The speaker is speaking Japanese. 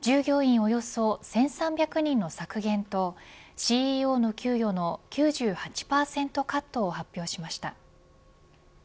およそ１３００人の削減とＣＥＯの給与の９８％カットを発表しました。